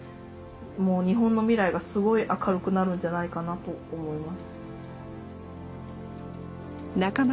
日本の未来がすごい明るくなるんじゃないかなと思います。